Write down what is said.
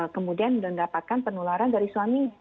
kemudian mendapatkan penularan dari suami